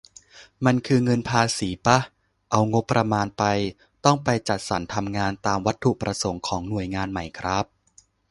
มันคือเงินภาษีป่ะ เอางบประมาณไป ต้องไปจัดสรรทำงานตามวัตถุประสงค์ของหน่วยงานไหมครับ